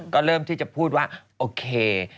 ก็เริ่มพูดว่าโอเค